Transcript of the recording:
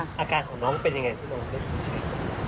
อาการของน้องเป็นอย่างไรที่น้องไม่ได้ติดเชื้อ